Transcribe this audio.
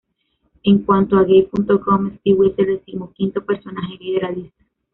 En cuanto a Gay.com, Stewie es el decimoquinto personaje gay de la lista.